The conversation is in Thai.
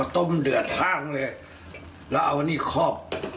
ต้มเดือดโทรงเลยแล้วเอาไว้ขี้คอบ